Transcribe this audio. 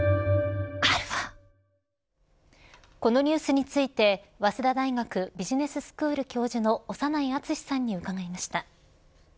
このニュースについて早稲田大学ビジネススクール教授の長内厚さんに伺いました。